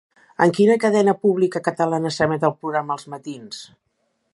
En quina cadena pública catalana s'emet el programa 'Els matins'?